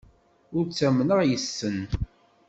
Ur ttamneɣ yes-sen.